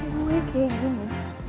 gue genggam ya